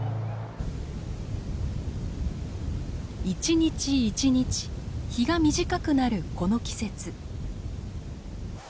一日一日日が短くなるこの季節。